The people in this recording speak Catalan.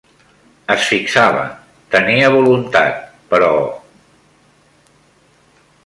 Es fixava, tenia voluntat, però...